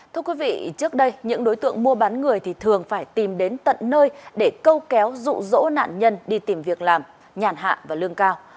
thưa quý vị trước đây những đối tượng mua bán người thì thường phải tìm đến tận nơi để câu kéo rụ rỗ nạn nhân đi tìm việc làm nhàn hạ và lương cao